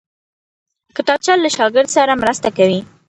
کتابچه له شاګرد سره مرسته کوي